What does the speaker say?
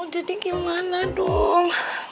jadi gimana dong